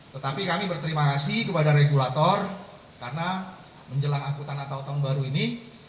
tetapi kami berterima kasih kepada regulator karena menjelang angkutan atau tahun baru ini